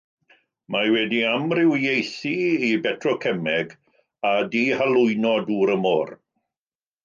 Mae wedi amrywiaethu i betrocemeg a dihalwyno dŵr y môr.